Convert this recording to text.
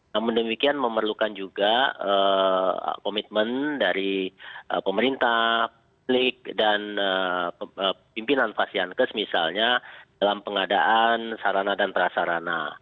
namun demikian memerlukan juga komitmen dari pemerintah pimpinan pasien kes misalnya dalam pengadaan sarana dan prasarana